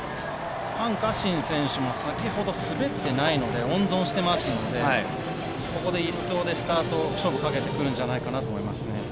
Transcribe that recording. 范可新選手も先ほど滑ってないので温存してますのでここで１走でスタート勝負かけてくると思います。